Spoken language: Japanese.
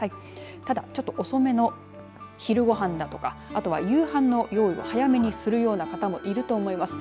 ただ、ちょっと遅めの昼ご飯だとかあとは夕飯の用意を早めにするような方もいると思います。